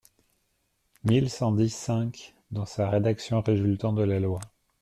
mille cent dix-cinq dans sa rédaction résultant de la loi.